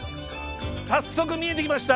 早速見えてきました。